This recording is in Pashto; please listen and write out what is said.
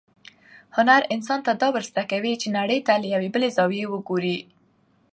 هنر انسان ته دا ورزده کوي چې نړۍ ته له یوې بلې زاویې وګوري.